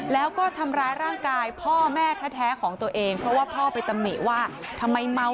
แล้วก็ทำร้ายร่างกายพ่อแม่แท้ของตัวเองเพราะว่าพ่อไปตำหนิว่าทำไมเมา